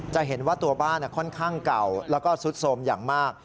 จะเห็นว่าตัวบ้านค่อนข้างเก่าแล้วก็ซุดโทรมอย่างมาก